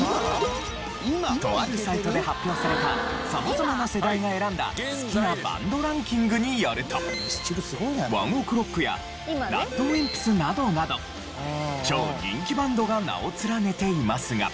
とあるサイトで発表された様々な世代が選んだ好きなバンドランキングによるとＯＮＥＯＫＲＯＣＫやＲＡＤＷＩＭＰＳなどなど超人気バンドが名を連ねていますが。